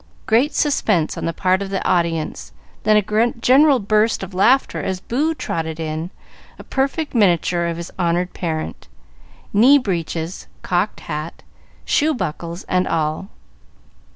Great suspense on the part of the audience, then a general burst of laughter as Boo trotted in, a perfect miniature of his honored parent, knee breeches, cocked hat, shoe buckles and all.